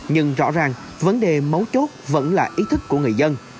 nhưng rõ ràng vấn đề mấu chốt vẫn là ý thức của người dân